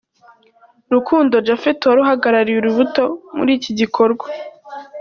Rukundo Japhet wari uhagarariye Urubuto muri iki gikorwa.